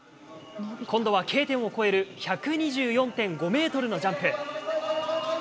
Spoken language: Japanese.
今度はＫ点を超える１２４．５メートルのジャンプ。